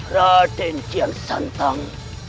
raden kian santang